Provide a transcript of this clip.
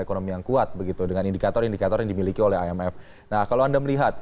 ekonomi yang kuat begitu dengan indikator indikator yang dimiliki oleh imf nah kalau anda melihat